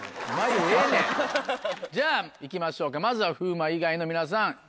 じゃあいきましょうかまずは風磨以外の皆さん。